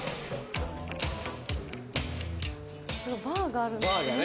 バーがあるんですね。